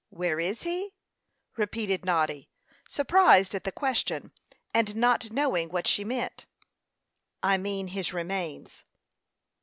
"Where is he?" repeated Noddy, surprised at the question, and not knowing what she meant. "I mean his remains."